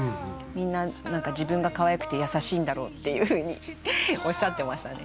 みんななんか自分がかわいくて優しいんだろっていうふうにおっしゃってましたね